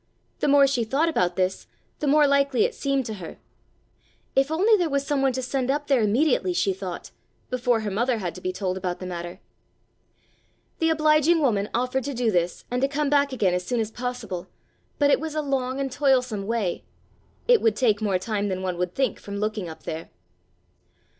The more she thought about this the more likely it seemed to her. If only there was someone to send up there immediately, she thought, before her mother had to be told about the matter. The obliging woman offered to do this and to came back again as soon as possible, but it was a long and toilsome way; it would take more time than one would think from looking up there.